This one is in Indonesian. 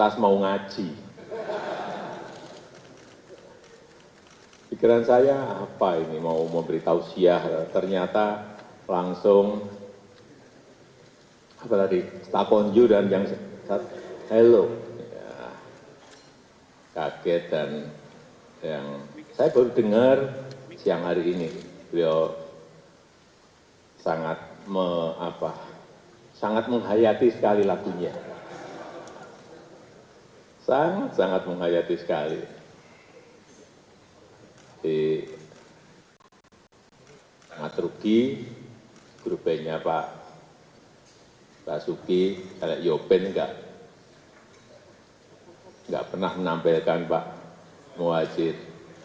guru baiknya pak basuki pak yoben enggak pernah menampilkan pak mewajib